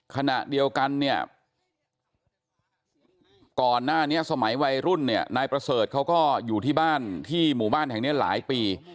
ขณะเดียวกันเนี่ยก่อนหน้านี้สมัยวัยรุ่นเนี่ยนายประเสริฐเขาก็อยู่ที่บ้านที่หมู่บ้านแห่งนี้หลายปี